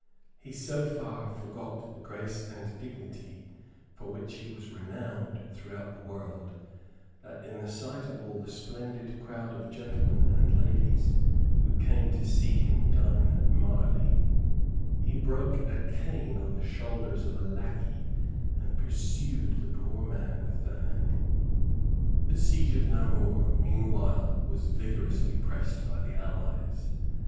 He so far forgot the grace and dignity for which he was renowned throughout the world that, in the sight of all the splendid crowd of gentlemen and ladies who came to see him dine at Marli, he broke a cane on the shoulders of a lacquey, and pursued the poor man with the handle. The siege of Namur meanwhile was vigorously pressed by the allies.